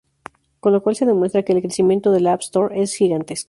Con lo cual se demuestra que el crecimiento de la App Store es gigantesco.